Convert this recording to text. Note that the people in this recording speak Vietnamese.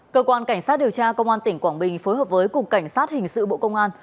cơ quan cảnh sát điều tra công an tỉnh quảng bình phối hợp với cục cảnh sát hình sự bộ công an